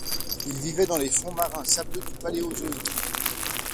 Il vivait dans les fonds marins sableux du Paléozoîque.